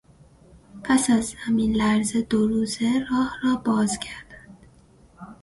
پس از زمین لرزه دو روزه راه را باز کردند.